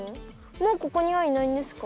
もうここにはいないんですか？